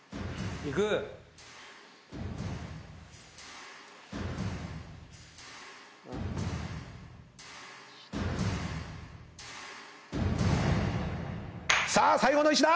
いく⁉さあ最後の１打！